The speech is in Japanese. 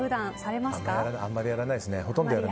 あまりやらないですね。